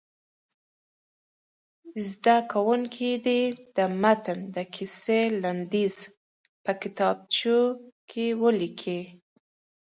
زده کوونکي دې د متن د کیسې لنډیز په کتابچو کې ولیکي.